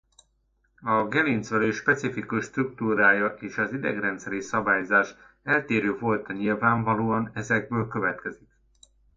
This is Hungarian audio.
A gerincvelő specifikus struktúrája és az idegrendszeri szabályzás eltérő volta nyilván valóan ezekből következik.